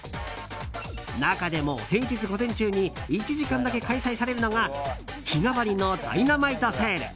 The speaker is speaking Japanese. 中でも平日午前中に１時間だけ開催されるのが日替わりのダイナマイトセール。